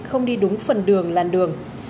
không đi đúng phần đường làn đường